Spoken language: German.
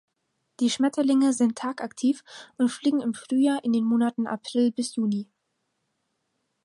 Die Schmetterlinge sind tagaktiv und fliegen im Frühjahr in den Monaten April bis Juni.